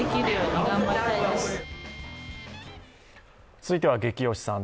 続いては「ゲキ推しさん」。